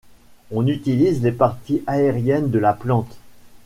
On utilise les parties aériennes de la plante.